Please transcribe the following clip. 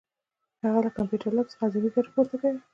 هغه له کمپیوټر لیب څخه اعظمي ګټه پورته کوي.